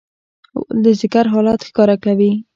غول د ځیګر حالت ښکاره کوي.